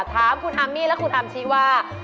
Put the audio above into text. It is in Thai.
ถามคุณอามี่และคุณอามชี้ว่า